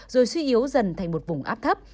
rồi suy yếu dần thành một vùng áp thấp